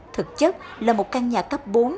thực chất là một căn nhà cấp bốn